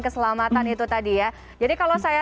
keselamatan itu tadi ya jadi kalau saya